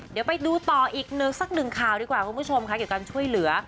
เดี๋ยวไปดูต่ออีกหนึ่งสักหนึ่งข่าวดีกว่าคุณผู้ชมค่ะเกี่ยวกับการช่วยเหลือ